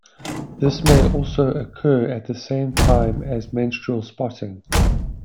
This may also occur at the same time as menstrual spotting.